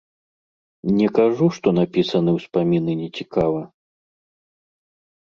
Не кажу, што напісаны ўспаміны нецікава.